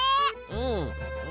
うん。